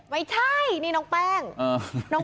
ไม่ใช่นี่น้องแป้ง